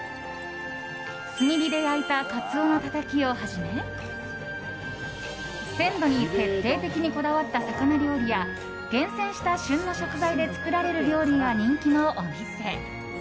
炭火で焼いたカツオのたたきをはじめ鮮度に徹底的にこだわった魚料理や厳選した旬の食材で作られる料理が人気のお店。